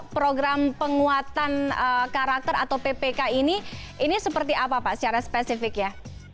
program penguatan karakter atau ppk ini ini seperti apa pak secara spesifik ya